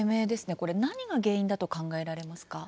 これ何が原因だと考えられますか？